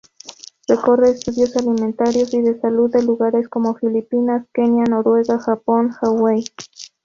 Recorre estudios alimentarios y de salud de lugares como Filipinas, Kenia, Noruega, Japón, Hawái.